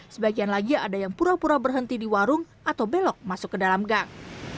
sebagian lagi ada yang pura pura berhenti di warung atau belok masuk ke dalam gang